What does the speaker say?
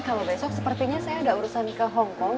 kalau besok sepertinya saya ada urusan ke hong kong